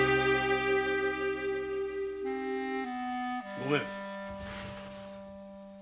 ・ごめん。